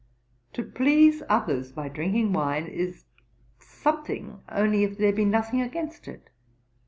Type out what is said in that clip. To please others by drinking wine, is something only, if there be nothing against it.